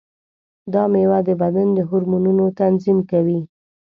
دا مېوه د بدن د هورمونونو تنظیم کوي.